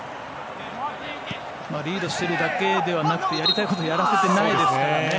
リードしているだけではなくてやりたいことをやらせてないですからね。